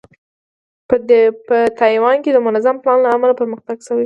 په تایوان کې د منظم پلان له امله پرمختګ شوی دی.